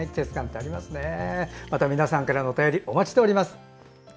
皆さんからのお便りお待ちしております。